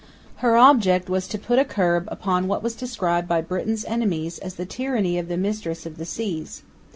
Her object was to put a curb upon what was described by Britain's enemies as the tyranny of the Mistress of the Seas.